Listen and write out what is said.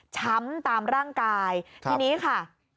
ช้ำตามร่างกายทีนี้ค่ะ